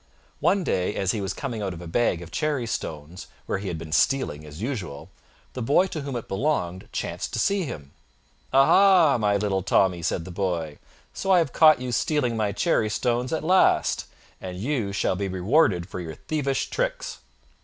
One day, as he was coming out of a bag of cherry stones, where he had been stealing as usual, the boy to whom it belonged chanced to see him. "Ah, ah! my little Tommy," said the boy, "so I have caught you stealing my cherry stones at last, and you shall be rewarded for your thievish tricks."